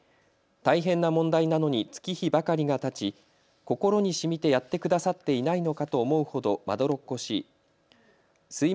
大変な問題なのに月日ばかりがたち、心にしみてやってくださっていないのかと思うほどまどろっこしい。